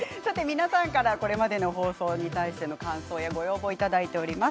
皆さんからこれまでの放送に対しての感想やご要望をいただいています。